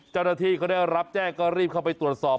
เจ้าหน้าที่เขาได้รับแจ้งก็รีบเข้าไปตรวจสอบ